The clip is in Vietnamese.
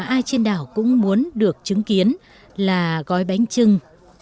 ai trên đảo cũng muốn được chứng kiến là gói bánh trưng